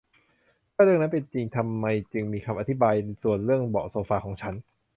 ถ้าเรื่องนั้นเป็นจริง ทำไมจึงมีคำอธิบายบางส่วนเรื่องเบาะโซฟาของฉัน